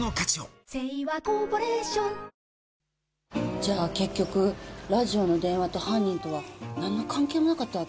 じゃあ結局ラジオの電話と犯人とは何の関係もなかったわけ？